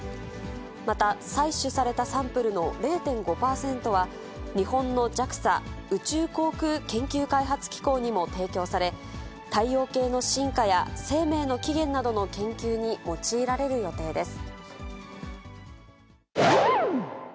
また、採取されたサンプルの０．５％は、日本のＪＡＸＡ・宇宙航空研究開発機構にも提供され、太陽系の進化や生命の起源などの研究に用いられる予定です。